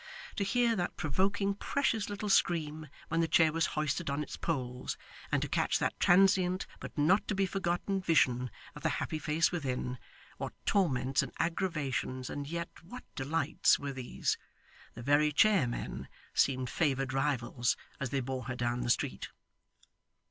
To hear that provoking precious little scream when the chair was hoisted on its poles, and to catch that transient but not to be forgotten vision of the happy face within what torments and aggravations, and yet what delights were these! The very chairmen seemed favoured rivals as they bore her down the street.